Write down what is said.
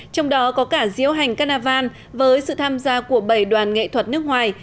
trong đó có cả diễu hành canavan với sự tham gia của bảy đoàn nghệ thuật nước ngoài